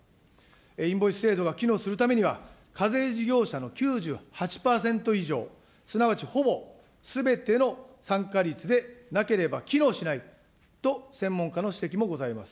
インボイス制度が機能するためには、課税事業者の９８％以上、すなわち、ほぼすべての参加率でなければ機能しないと、専門家の指摘もございます。